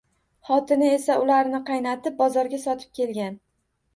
Xotini esa ularni qaynatib bozorga sotib kelgan.